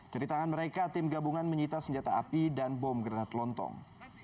dari tangan mereka tim gabungan menyita senjata api dan bom granat lontong